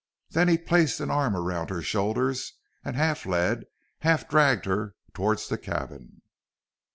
Then he placed an arm round her shoulders and half led, half dragged her toward the cabin.